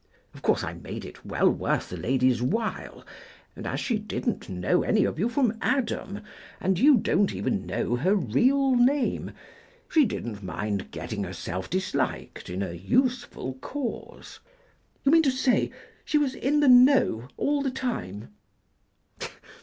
Of course, I made it well worth the lady's while, and as she didn't know any of you from Adam, and you don't even know her real name, she didn't mind getting herself disliked in a useful cause." "You mean to say she was in the know all the time?"